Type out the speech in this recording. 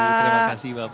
terima kasih bapak